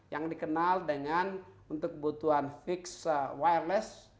yang dikenal dengan untuk kebutuhan fix wireless